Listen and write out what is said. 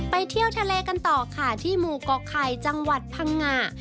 เที่ยวทะเลกันต่อค่ะที่หมู่เกาะไข่จังหวัดพังงา